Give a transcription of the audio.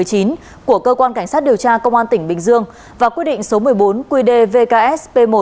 của cơ quan cảnh sát điều tra công an tỉnh bình dương và quyết định số một mươi bốn qd vksp một